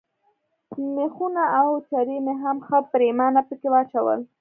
مېخونه او چرې مې هم ښه پرېمانه پکښې واچول.